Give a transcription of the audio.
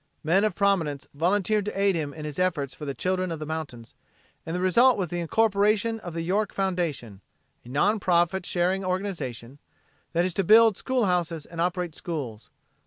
Men of prominence volunteered to aid him in his efforts for the children of the mountains, and the result was the incorporation of the York Foundation, a non profit sharing organization, that is to build schoolhouses and operate schools.